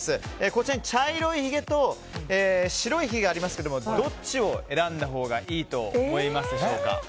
こちらに、茶色いひげと白いひげがありますがどっちを選んだほうがいいと思いますか？